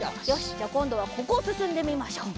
じゃあこんどはここをすすんでみましょう。